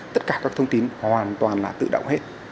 tất cả các thông tin hoàn toàn là tự động hết